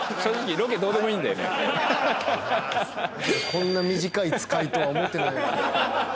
こんな短い使いとは思ってないやろな。